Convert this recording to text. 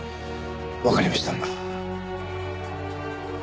わかりました。